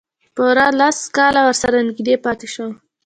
پوره لس کاله ورسره نږدې پاتې شوم.